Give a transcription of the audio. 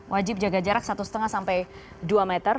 wajib jaga jarak satu lima sampai dua meter